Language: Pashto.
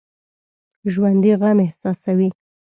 ژوندي غم احساسوي